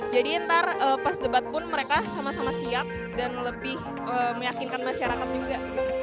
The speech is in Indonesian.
jadi ntar pas debat pun mereka sama sama siap dan lebih meyakinkan masyarakat juga